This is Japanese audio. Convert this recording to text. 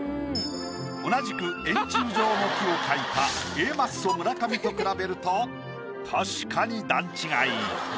同じく円柱状の木を描いたＡマッソ村上と比べると確かに段違い。